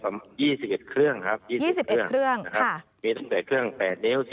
สำหรับ๒๑เครื่องครับนะครับมีตั้งแต่เครื่อง๘นิ้ว